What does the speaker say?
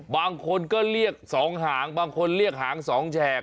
บางคนก็เรียก๒หางบางคนเรียกหาง๒แฉก